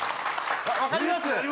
分かります。